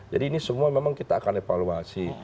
jadi ini semua memang kita akan evaluasi